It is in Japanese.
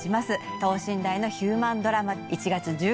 等身大のヒューマンドラマ。